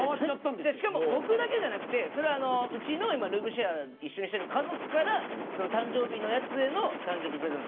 しかも、僕だけじゃなくてそれは、うちの、今ルームシェアをしてる家族から誕生日のプレゼント。